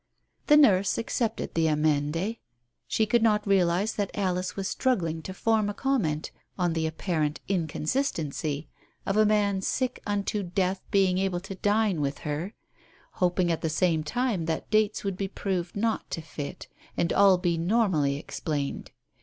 The nurse accepted the amende. She could not realize that Alice was struggling to form a comment on the apparent inconsistency of a man sick unto death being able to dine with her, hoping at the same time that dates would be proved not to fit and all be normally explained.